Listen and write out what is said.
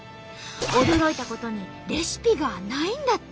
驚いたことにレシピがないんだって。